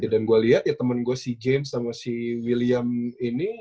dan gue lihat ya temen gue si james sama si william ini